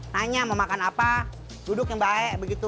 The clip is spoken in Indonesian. nanya mau makan apa duduk yang baik begitu